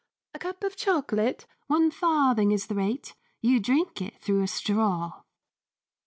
"_A cup of chocolate, One farthing is the rate, You drink it through a straw.